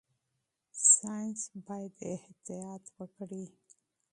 ساينس باید احتیاط وکړي.